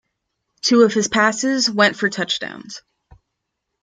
Two of his passes went for touchdowns.